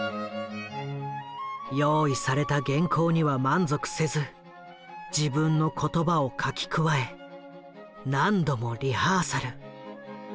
用意された原稿には満足せず自分の言葉を書き加え何度もリハーサル。